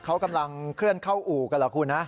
เขากำลังเคลื่อนเข้าอู่กันเหรอคุณนะ